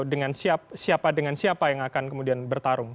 dengan siapa dengan siapa yang akan kemudian bertarung